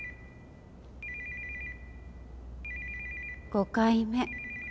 ５回目。